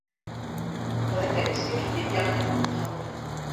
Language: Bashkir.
Ғәҙәттәгесә, кибет яғына күҙ һалды.